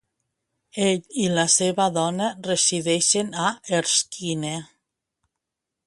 Ell i la seva dona resideixen a Erskine.